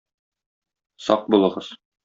Сак булыгыз.